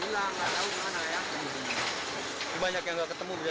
cuman banyak yang gak ketemu dari bahaya